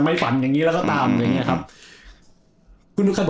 ฝันอย่างงี้แล้วก็ตามอย่างเงี้ครับ